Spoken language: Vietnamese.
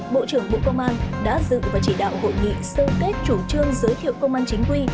bộ trưởng bộ công an đã dự và chỉ đạo hội nghị sơ kết chủ trương giới thiệu công an chính quy